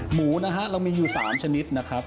หมูนะฮะเรามีอยู่๓ชนิดนะครับ